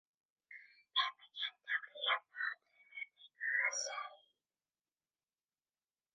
Pip became deeply involved in the Infinity Crusade.